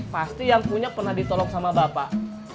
pasti yang punya pernah ditolong sama bapak